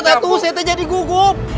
kalau kamu gak bisa menangin aku